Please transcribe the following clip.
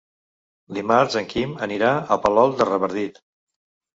Dimarts en Quim anirà a Palol de Revardit.